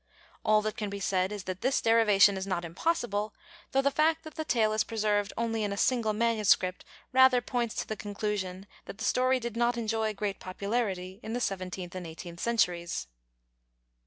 All that can be said is that this derivation is not impossible, though the fact that the tale is preserved only in a single manuscript rather points to the conclusion that the story did not enjoy great popularity in the seventeenth and eighteenth centuries.